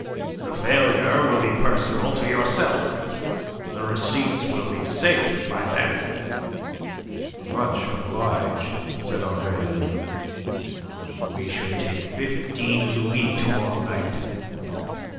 "The failure will be personal to yourself. The receipts will be safe by then." "Much obliged," said Andre Louis. "We should take fifteen louis to morrow night."